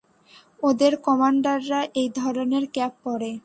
ওদের কমান্ডাররা এই ধরনের ক্যাপ পরে।